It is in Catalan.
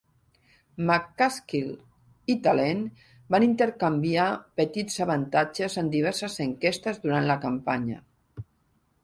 McCaskill i Talent van intercanviar petits avantatges en diverses enquestes durant la campanya.